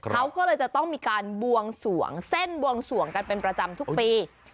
เขาก็เลยจะต้องมีการบวงสวงเส้นบวงสวงกันเป็นประจำทุกปี